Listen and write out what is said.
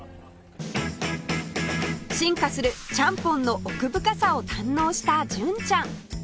進化するちゃんぽんの奥深さを堪能した純ちゃん